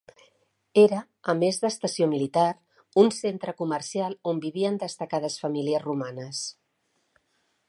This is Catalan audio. Era a més d'estació militar un centre comercial on vivien destacades famílies romanes.